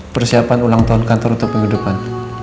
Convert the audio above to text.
persiapan ulang tahun kantor untuk minggu depan